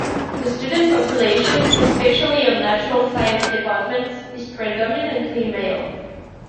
The student population, especially on natural science departments, is predominantly male.